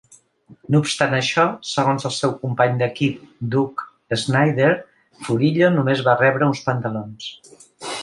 No obstant això, segons el seu company d'equip Duke Snider, Furillo només va rebre uns pantalons.